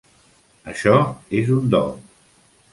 Això és un do.